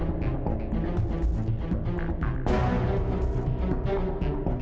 saya bisa menjadi balahan gosip jika seperti ini